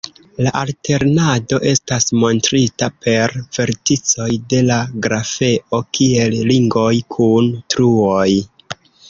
La alternado estas montrita per verticoj de la grafeo kiel ringoj kun truoj.